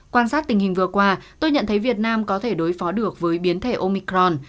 quan sát tình hình vừa qua tôi nhận thấy việt nam có thể đối phó được với biến thể omicron